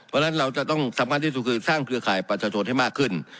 เพราะฉะนั้นเราจะต้องสำคัญที่สุดคือสร้างเครือข่ายประชาชนให้มากขึ้น